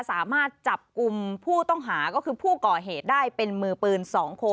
สามารถจับกลุ่มผู้ต้องหาก็คือผู้ก่อเหตุได้เป็นมือปืน๒คน